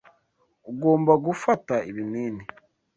Ugomba gufata ibinini.